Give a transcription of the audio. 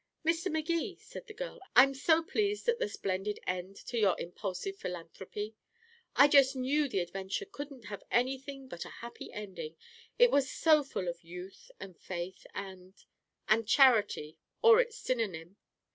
"Mr. Magee," said the girl, "I'm so pleased at the splendid end to your impulsive philanthropy. I just knew the adventure couldn't have anything but a happy ending it was so full of youth and faith and and charity or its synonym.